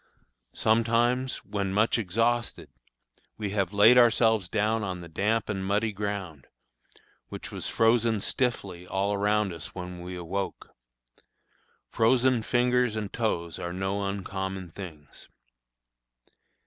Sometimes, when much exhausted, we have laid ourselves down on the damp and muddy ground, which was frozen stiffly all around us when we awoke. Frozen fingers and toes are no uncommon things.